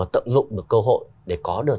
tận dụng được cơ hội để có được